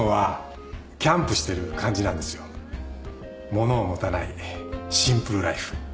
物を持たないシンプルライフ。